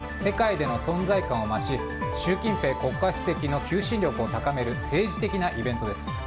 中国にとっての北京オリンピックは世界での存在感を増し習近平国家主席の求心力を高める政治的なイベントです。